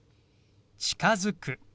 「近づく」。